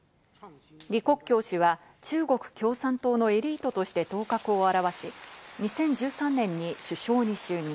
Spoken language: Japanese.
リ・コッキョウ氏は中国共産党のエリートとして頭角を現し、２０１３年に首相に就任。